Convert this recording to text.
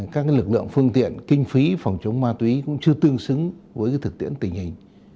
các lực lượng phương tiện kinh phí phòng chống ma túy cũng chưa tương xứng với thực tiễn tình hình